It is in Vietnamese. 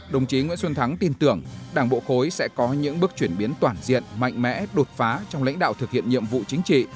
đồng chí nguyễn xuân thắng tin tưởng đảng bộ khối sẽ có những bước chuyển biến toàn diện mạnh mẽ đột phá trong lãnh đạo thực hiện nhiệm vụ chính trị